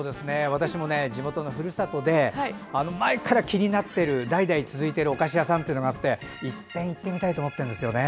私も地元のふるさとで前から気になっている代々続いているお菓子屋さんというのがあっていっぺん行ってみたいと思ってるんですよね。